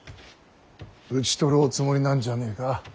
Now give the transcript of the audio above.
討ち取るおつもりなんじゃねえか。